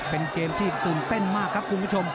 เป็นเกมที่ตื่นเต้นมากครับคุณผู้ชม